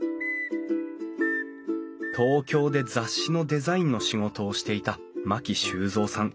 東京で雑誌のデザインの仕事をしていた牧修三さん知子さん夫妻。